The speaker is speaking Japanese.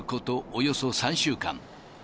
およそ３週間。